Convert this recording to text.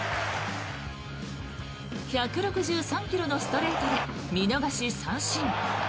１６３ｋｍのストレートで見逃し三振。